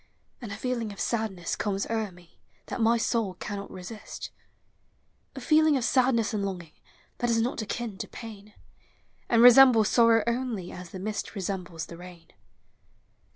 And a feeling of sadness comes o'er ine That my soul cannot resist; A feeling of sadness and longing That is not akin to pain. And resembles sorrow only As the mist resembles the rain.